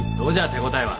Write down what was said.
手応えは。